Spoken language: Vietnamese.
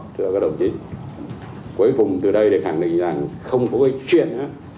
thưa các đồng chí cuối cùng từ đây để khẳng định rằng không có chuyện